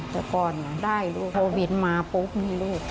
แต่ก่อนได้ลูก